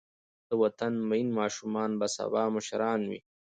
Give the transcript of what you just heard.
د وطن مین ماشومان به سبا مشران وي.